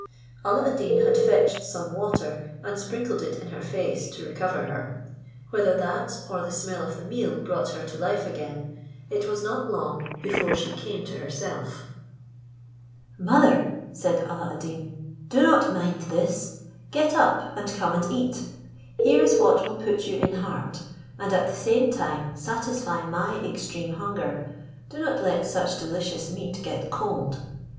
Alla ad Deen had fetched some water, and sprinkled it in her face, to recover her: whether that or the smell of the meat brought her to life again, it was not long before she came to herself. "Mother," said Alla ad Deen, "do not mind this; get up, and come and eat; here is what will put you in heart, and at the same time satisfy my extreme hunger: do not let such delicious meat get cold."